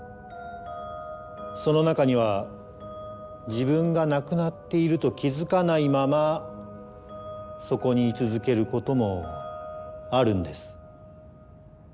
その中には自分が亡くなっていると気付かないままそこに居続けることもあるんです。